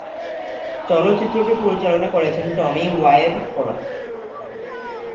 চলচ্চিত্রটি পরিচালনা করেছেন টমি ওয়াইরকোলা।